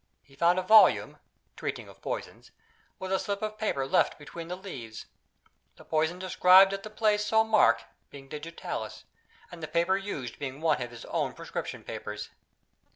He found a volume (treating of Poisons) with a slip of paper left between the leaves; the poison described at the place so marked being Digitalis, and the paper used being one of his own prescription papers.